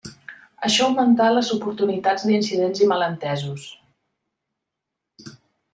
Això augmentà les oportunitats d'incidents i malentesos.